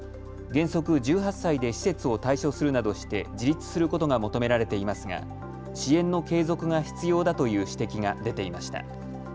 原則１８歳で施設を退所するなどして自立することが求められていますが支援の継続が必要だという指摘が出ていました。